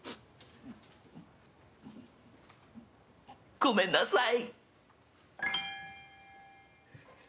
ごめんなさい。